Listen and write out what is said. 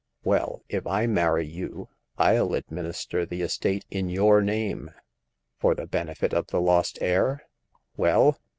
Well, if I marry you, FU administer the estate in your name "" For the benefit of the lost heir ? Well